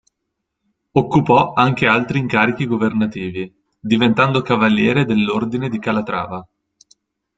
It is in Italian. Occupò anche altri incarichi governativi, diventando cavaliere dell'ordine di Calatrava.